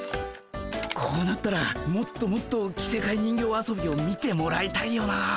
こうなったらもっともっと着せかえ人形遊びを見てもらいたいよな。